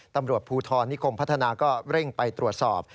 ตำรวจภูทรนิคมพัฒนาก็เร่งไปตรวจสอบ